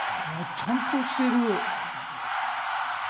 ちゃんとしてる。